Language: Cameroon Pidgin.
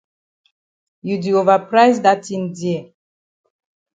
You di ova price dat tin dear.